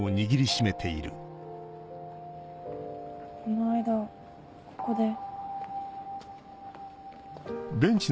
この間ここで。